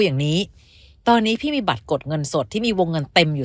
อย่างนี้ตอนนี้พี่มีบัตรกดเงินสดที่มีวงเงินเต็มอยู่